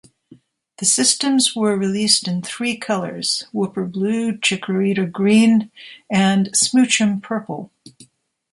The systems were released in three colors: Wooper Blue, Chikorita Green, and Smoochum Purple.